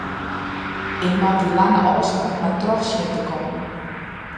Ik moat dy lange ôfstân mar troch sjen te kommen.